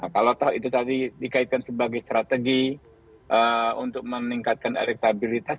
kalau itu tadi dikaitkan sebagai strategi untuk meningkatkan elektabilitas